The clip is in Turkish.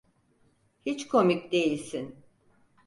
Hiç komik değilsin.